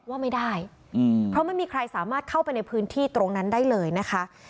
ว่าไม่ได้เพราะไม่มีใครสามารถเข้าไปในพื้นที่ตรงนั้นได้เลยนะคะ